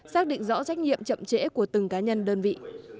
xác định rõ trách nhiệm chậm trễ của từng cá nhân đơn vị